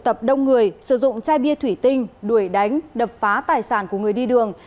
tập đông người sử dụng chai bia thủy tinh đuổi đánh đập phá tài sản của người đi đường